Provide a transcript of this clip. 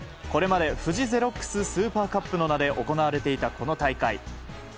これまでフジゼロックススーパーカップの名で行われていたこの大会。